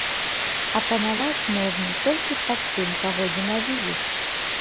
А панаваць можна толькі пад тым, каго ненавідзіш.